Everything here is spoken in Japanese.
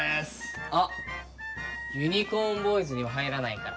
あっユニコーンボーイズには入らないから。